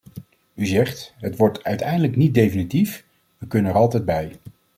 U zegt, het wordt uiteindelijk niet definitief, we kunnen er altijd bij.